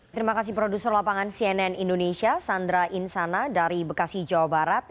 terima kasih produser lapangan cnn indonesia sandra insana dari bekasi jawa barat